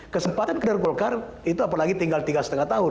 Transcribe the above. kesempatan itu apalagi tinggal tiga lima tahun